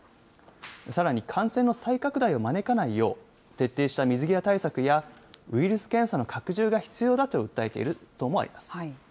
さらに感染の再拡大を招かないよう、徹底した水際対策や、ウイルス検査の拡充が必要だと訴えている党もあります。